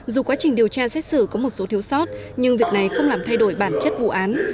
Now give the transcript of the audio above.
dù quá trình điều tra xét xử có một số thiếu sót nhưng việc này không làm thay đổi bản chất vụ án